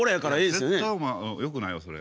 絶対お前よくないよそれ。